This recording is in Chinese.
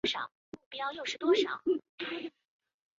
然而朝鲜天主教很快死灰复燃。